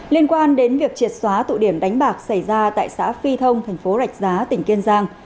liên quan đến việc triệt xóa tụ điểm đánh bạc xảy ra tại xã phi thông thành phố rạch giá tỉnh kiên giang